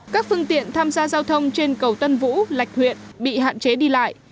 các phương tiện tham gia giao thông trên cầu tân vũ lạch huyện bị hạn chế đi lại